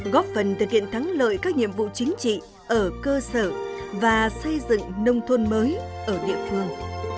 góp phần thực hiện thắng lợi các nhiệm vụ chính trị ở cơ sở và xây dựng nông thôn mới ở địa phương